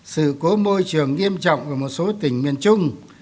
sự cố môi trường nghiêm trọng ở một số tỉnh miền trung